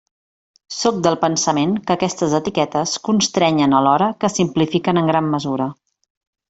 Sóc del pensament que aquestes etiquetes constrenyen alhora que simplifiquen en gran mesura.